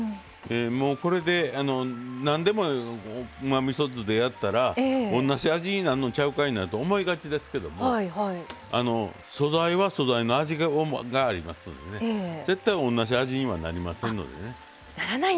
これで、なんでもうまみそ酢でやったら同じ味になんのちゃうかいなと思いがちですけども素材は素材の味がありますのでね絶対同じ味にはなりませんのでね。